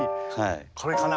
これかな？